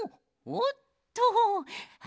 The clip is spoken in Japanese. おっとー。